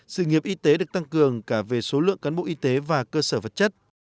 sự nghiệp y tế được tăng cường cả về số lượng cán bộ y tế và cơ sở vật chất